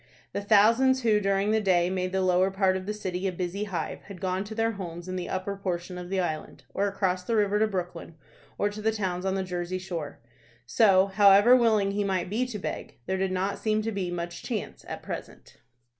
The thousands who during the day made the lower part of the city a busy hive had gone to their homes in the upper portion of the island, or across the river to Brooklyn or the towns on the Jersey shore. So, however willing he might be to beg, there did not seem to be much chance at present.